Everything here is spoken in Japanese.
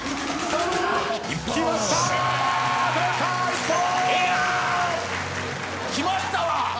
一本！きましたわ！